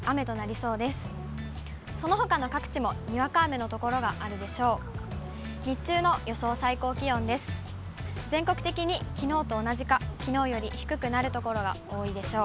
そのほかの各地もにわか雨の所があるでしょう。